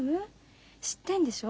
知ってんでしょ？